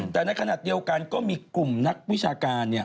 แต่ในขณะเดียวกันก็มีกลุ่มนักวิชาการ